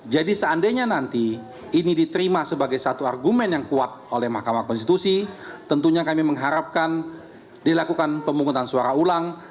jadi seandainya nanti ini diterima sebagai satu argumen yang kuat oleh mahkamah konstitusi tentunya kami mengharapkan dilakukan pemungutan suara ulang